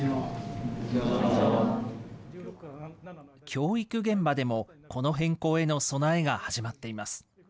教育現場でも、この変更への備えが始まっています。